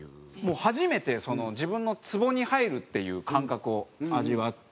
初めて自分のツボに入るっていう感覚を味わって。